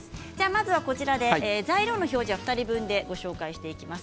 材料の表示は２人分でご紹介していきます。